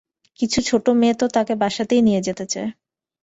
কিছু ছোট মেয়ে তো তাকে বাসাতেই নিয়ে যেতে চায়।